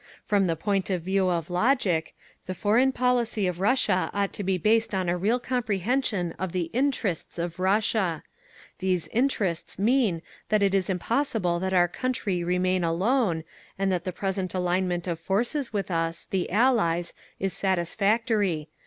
From the point of view of logic, the foreign policy of Russia ought to be based on a real comprehension of the interests of Russia…. These interests mean that it is impossible that our country remain alone, and that the present alignment of forces with us, (the Allies), is satisfactory….